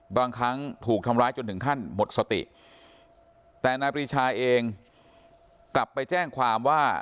บางครั้งถูกทำร้ายจนถึงขั้นหมดสติแต่นายปรีชาเองกลับไปแจ้งความว่า